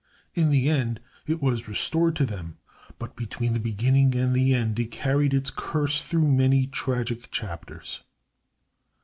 In the end it was restored to them, but between the beginning and the end it carried its curse through many tragic chapters.